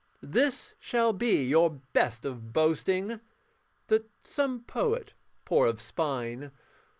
This shall be your best of boasting: That some poet, poor of spine.